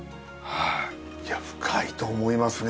いや深いと思いますね。